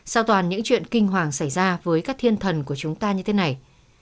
sau toàn những chuyện kinh hoàng xảy ra với các thiên thần của chúng ta như thế này